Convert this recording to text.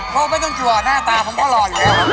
เพราะไม่ต้องจั๋วหน้าตาผมก็หล่ออยู่แล้ว